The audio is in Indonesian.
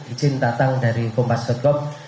izin datang dari kompas com